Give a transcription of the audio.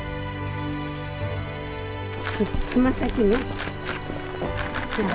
つま先ね。